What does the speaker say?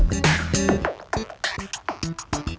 tadi mereka teriak pojok